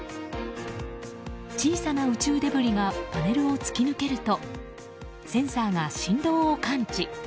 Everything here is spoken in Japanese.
小さな宇宙デブリがパネルを突き抜けるとセンサーが振動を感知。